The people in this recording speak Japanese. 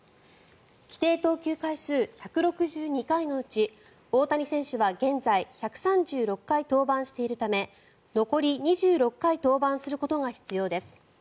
規定投球回数１６２回のうち大谷選手は現在、１３６回登板しているため残り２６回登板することが必要です。